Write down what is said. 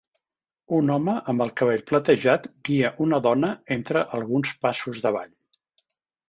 Un home amb el cabell platejat guia una dona entre alguns passos de ball.